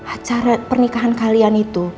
acara pernikahan kalian itu